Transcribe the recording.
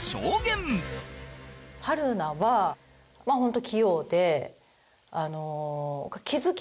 春菜はホント。